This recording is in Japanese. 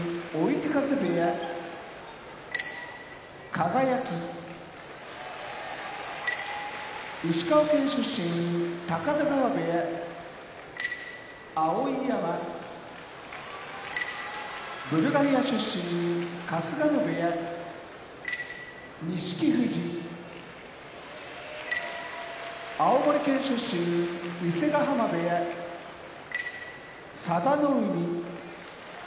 輝石川県出身高田川部屋碧山ブルガリア出身春日野部屋錦富士青森県出身伊勢ヶ濱部屋佐田の海